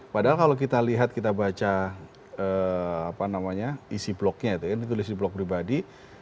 padahal kalau kita lihat kita baca isi blognya ini tulis di blog pribadi